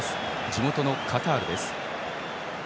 地元のカタールです。